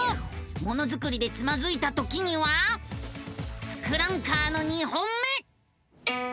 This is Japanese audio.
ものづくりでつまずいたときには「ツクランカー」の２本目！